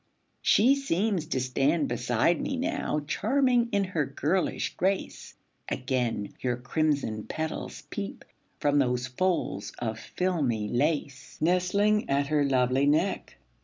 She seems to stand beside me now, Charming in her girlish grace; Again your crimson petals peep From those folds of filmy lace Nestling at her lovely neck.